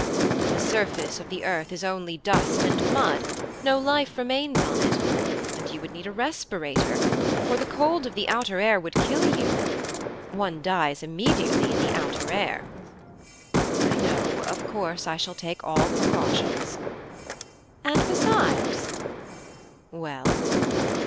The surface of the earth is only dust and mud, no life remains on it, and you would need a respirator, or the cold of the outer air would kill you. One dies immediately in the outer air.' 'I know; of course I shall take all precautions.' 'And besides ' 'Well?'